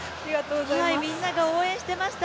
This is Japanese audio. みんなが応援していました。